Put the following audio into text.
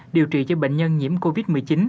điều trị cho bệnh nhân nhiễm covid một mươi chín